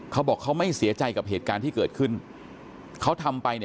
เขาบอกเขาไม่เสียใจกับเหตุการณ์ที่เกิดขึ้นเขาทำไปเนี่ย